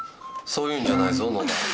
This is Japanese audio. そういうんじゃないぞ野田。